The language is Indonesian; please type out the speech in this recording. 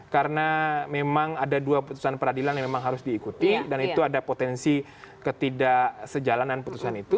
karena memang ada dua putusan peradilan yang memang harus diikuti dan itu ada potensi ketidaksejalanan putusan itu